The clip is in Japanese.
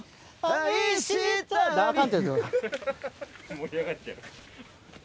盛り上がっちゃう。